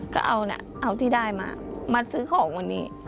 ก็เอานะเอาที่ได้มามาซื้อของวันนี้